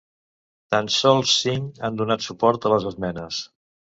Tan sols cinc han donat suport a les esmenes.